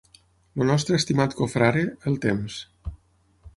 El nostre estimat confrare "El Temps".